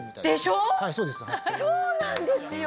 そうなんですよ！